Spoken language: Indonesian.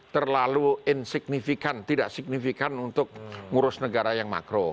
terlalu insignifikan tidak signifikan untuk ngurus negara yang makro